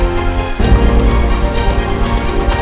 masih aku pening